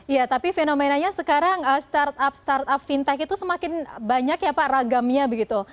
ya tapi fenomenanya sekarang startup startup fintech itu semakin banyak ya pak ragamnya begitu